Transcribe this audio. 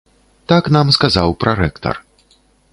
Так нам сказаў прарэктар.